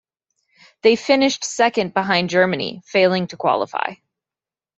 They finished second behind Germany, failing to qualify.